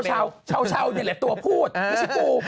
ชาวนี่แหละตัวพูดไม่ใช่กู